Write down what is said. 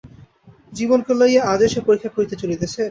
জীবনকে লইয়া আজও সে পরীক্ষা করিয়া চলিতেছে?